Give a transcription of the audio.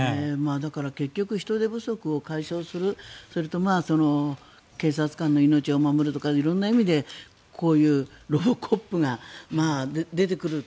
だから、結局人手不足を解消するそれと警察官の命を守るとか色んな意味でこういうロボコップが出てくる。